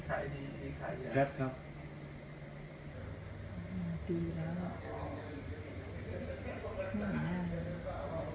ครับครับ